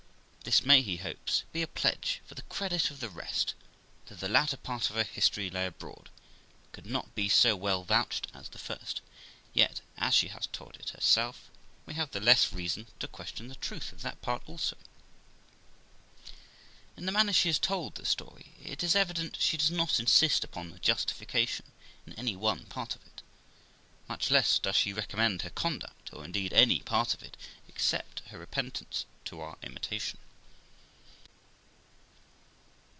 This may, he hopes, be a pledge for the credit of the rest, though the latter part of her history lay abroad, and could not be so well vouched as the first; yet, as she has told it herself, we have the less reason to question the truth of that part also. In the manner she has tokl the story, it is evident she does not insist upon her justification in any one part of it ; much less does she recommend her conduct, or, indeed, any part of it, except her repentance, to our imitation.